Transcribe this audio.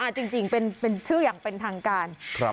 จริงเป็นชื่ออย่างเป็นทางการ